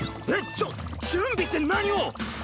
ちょっ準備って何を？